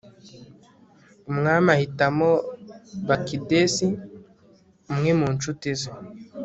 umwami ahitamo bakidesi, umwe mu ncuti ze